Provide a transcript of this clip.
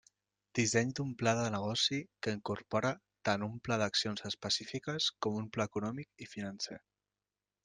Disseny d'un pla de negoci que incorpora tant un pla d'accions específiques com un pla econòmic i financer.